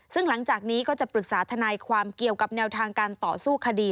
ซึ่งหลังจากนี้ก็จะปรึกษาทนายความเกี่ยวกับแนวทางการต่อสู้คดี